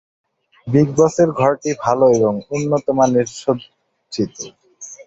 Big বসের ঘরটি ভাল এবং উন্নতমানের সজ্জিত।